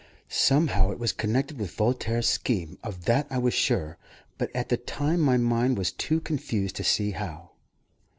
Somehow it was connected with Voltaire's scheme; of that I was sure, but at the time my mind was too confused to see how.